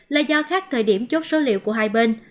là do khác thời điểm chốt số liệu của hai bên